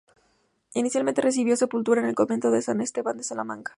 Inicialmente recibió sepultura en el Convento de San Esteban de Salamanca.